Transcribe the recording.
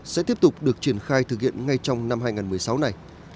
sẽ tiếp tục được triển khai thực hiện ngay trong năm hai nghìn một mươi sáu này